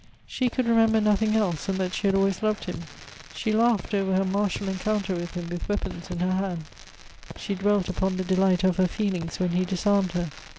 She could remember nothing else than that she had always loved him. She laughed over her martial encounter with him with weapons in her hand; she dwelt upon the delight of her feelings when he disarmed her.